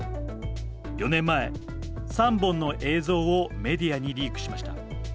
４年前、３本の映像をメディアにリークしました。